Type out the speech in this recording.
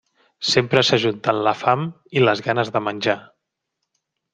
Sempre s'ajunten la fam i les ganes de menjar.